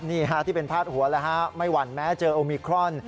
นี่ฮะที่เป็นพาดหัวแล้วฮะไม่หวั่นแม้เจอโอมิครอน